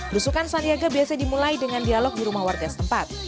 rusukan sandiaga biasa dimulai dengan dialog di rumah warga setempat